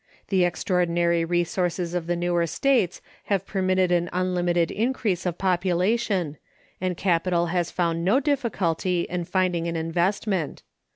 The extraordinary resources of the newer States have permitted an unlimited increase of population, and capital has found no difficulty in finding an investment.